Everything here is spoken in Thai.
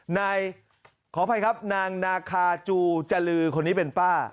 ขออภัยครับนางนาคาจูจรือคนนี้เป็นป้า